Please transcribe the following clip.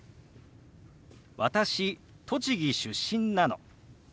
「私栃木出身なの」。